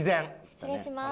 失礼します。